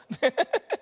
ハハハ。